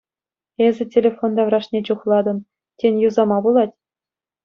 Эсӗ телефон таврашне чухлатӑн, тен, юсама пулать?